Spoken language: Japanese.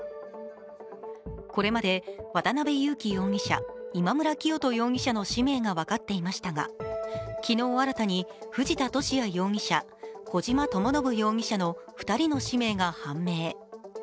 これまで渡辺優樹容疑者今村磨人容疑者の氏名が分かっていましたが昨日新たに藤田聖也容疑者小島智信容疑者の２人の氏名が判明